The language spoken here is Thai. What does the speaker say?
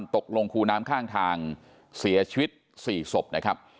ตกลงคูน้ำข้างทางเสียชีวิต๔ศพนะครับ